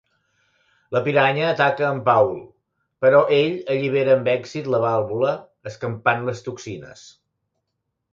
La piranya ataca a en Paul però ell allibera amb èxit la vàlvula, escampant les toxines.